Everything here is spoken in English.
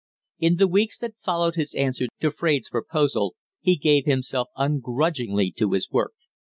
In the weeks that followed his answer to Fraide's proposal he gave himself ungrudgingly to his work.